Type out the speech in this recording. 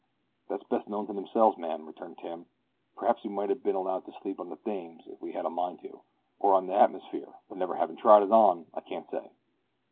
"That's best known to themselves, ma'am," returned Tim; "p'raps we might 'ave bin allowed to sleep on the Thames, if we'd 'ad a mind to, or on the hatmosphere, but never 'avin' tried it on, I can't say."